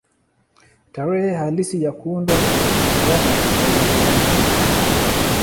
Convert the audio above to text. Tarehe halisi ya kuundwa kwa Roma haijulikani.